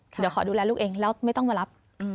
เดี๋ยวขอดูแลลูกเองแล้วไม่ต้องมารับ